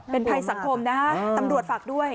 เป็นภัยสังคมนะฮะตำรวจฝากด้วย